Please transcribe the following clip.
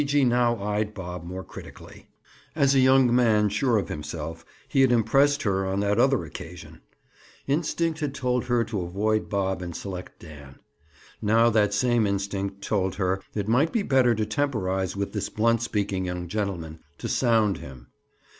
Gee gee now eyed Bob more critically. As a young man sure of himself, he had impressed her on that other occasion! Instinct had told her to avoid Bob and select Dan. Now that same instinct told her it might be better to temporize with this blunt speaking young gentleman—to "sound" him.